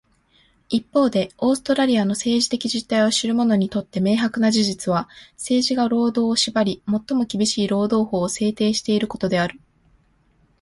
一方で、オーストラリアの政治的実態を知る者にとって明白な事実は、政治が労働を縛り、最も厳しい労働法を制定していることである。